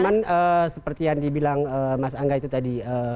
cuman seperti yang dibilang mas angga itu tadi